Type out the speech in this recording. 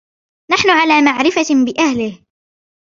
نحن على معرفة بأهله.